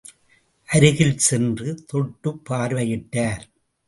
அருகில் சென்று தொட்டுப் பார்வையிட்டார்.